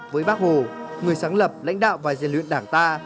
với bác hồ người sáng lập lãnh đạo và diện luyện đảng ta